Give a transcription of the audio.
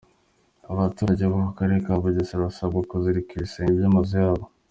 Abaturage bo karere ka Bugesera basabwa kuzirika ibisenge by’amazu yabo.